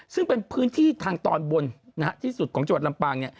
ซึ่งเป็นพื้นที่ทางตอนบนที่สุดของจังหวัดลำปาง